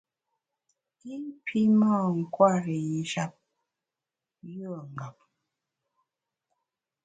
I pi mâ nkwer i njap yùe ngap.